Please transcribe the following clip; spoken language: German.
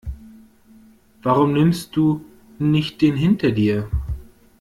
Warum nimmst du nicht den hinter dir?